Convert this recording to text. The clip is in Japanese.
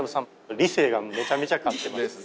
理性がめちゃめちゃ勝ってますね。